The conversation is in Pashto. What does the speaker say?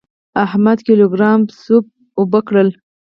احمد کيلو ګرام سروپ اوبه کړل.